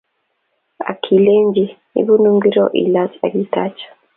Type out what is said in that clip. Ak kilenji ibu ngoriono ilaachi ak itaach